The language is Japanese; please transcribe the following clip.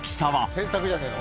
選択じゃねえの？